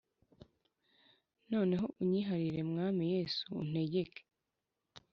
noneho unyiharire mwami yesu untegeke